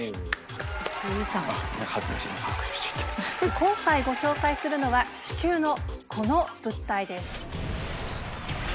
今回ご紹介するのは地球のこの物体です。